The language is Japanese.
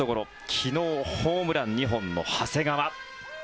昨日、ホームラン２本の長谷川。